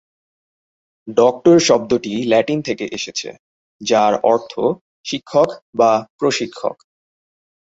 Doctor শব্দটি Latin থেকে এসেছে, যার অর্থ "শিক্ষক" বা "প্রশিক্ষক"।